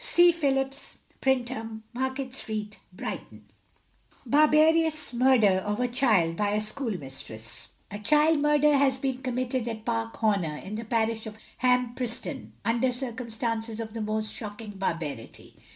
C. Phillips, Printer, Market Street, Brighton. BARBAROUS MURDER OF A CHILD BY A SCHOOLMISTRESS. A child murder has been committed at Park Horner, in the parish of Hampreston, under circumstances of the most shocking barbarity.